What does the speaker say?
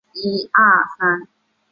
如今喀喇河屯行宫仅存遗址。